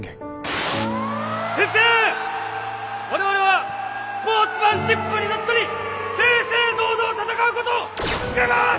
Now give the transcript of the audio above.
我々はスポーツマンシップにのっとり正々堂々戦うことを誓います！